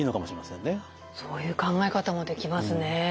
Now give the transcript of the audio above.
そういう考え方もできますね。